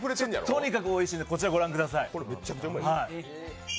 とにかくおいしいんでこちらご覧ください。